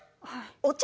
お茶